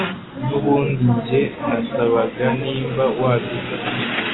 nubundi njye nasabaga nimba wadufasha